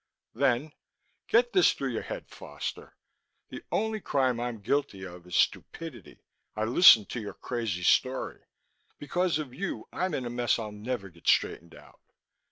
Then, "Get this through your head, Foster. The only crime I'm guilty of is stupidity. I listened to your crazy story; because of you I'm in a mess I'll never get straightened out."